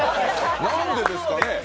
なんでですかね？